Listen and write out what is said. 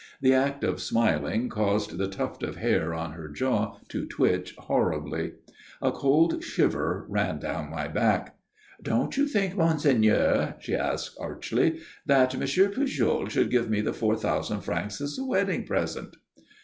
The act of smiling caused the tuft of hair on her jaw to twitch horribly. A cold shiver ran down my back. "Don't you think, monseigneur," she asked, archly, "that M. Pujol should give me the four thousand francs as a wedding present?"